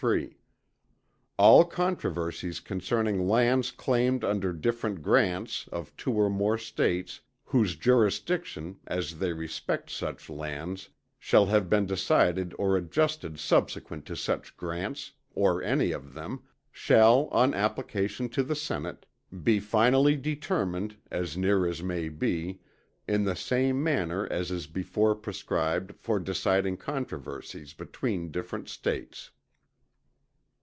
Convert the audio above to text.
3._ All controversies concerning lands claimed under different grants of two or more States whose jurisdictions, as they respect such lands, shall have been decided or adjusted subsequent to such grants, or any of them, shall, on application to the Senate, be finally determined, as near as may be, in the same manner as is before prescribed for deciding controversies between different States.